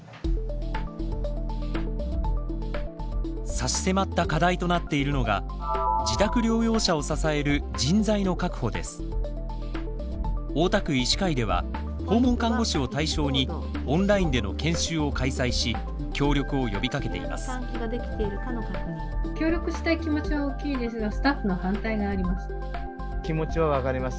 差し迫った課題となっているのが大田区医師会では訪問看護師を対象にオンラインでの研修を開催し協力を呼びかけています。